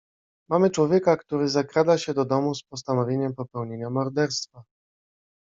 "Mamy człowieka, który zakrada się do domu z postanowieniem popełnienia morderstwa."